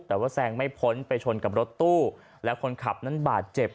แต่ว่าแซงไม่พ้นไปชนกับรถตู้และคนขับนั้นบาดเจ็บ